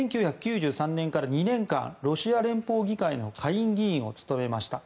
１９９３年から２年間ロシア連邦議会の下院議員を務めました。